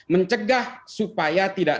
mencegah supaya tidak